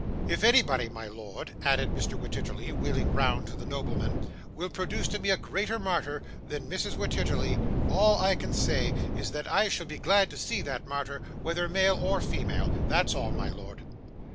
'If anybody, my lord,' added Mr. Wititterly, wheeling round to the nobleman, 'will produce to me a greater martyr than Mrs Wititterly, all I can say is, that I shall be glad to see that martyr, whether male or female that's all, my lord.